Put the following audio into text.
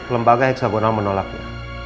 lembaga hexagonal menolaknya